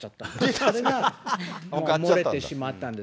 それが漏れてしまったんです。